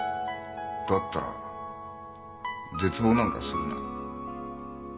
だったら絶望なんかするな。